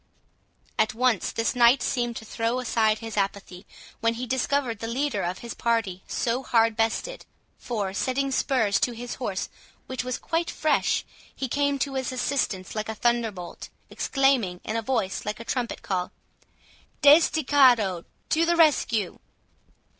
At once this knight seemed to throw aside his apathy, when he discovered the leader of his party so hard bestead; for, setting spurs to his horse, which was quite fresh, he came to his assistance like a thunderbolt, exclaiming, in a voice like a trumpet call, "Desdichado, to the rescue!"